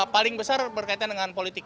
paling besar berkaitan dengan politik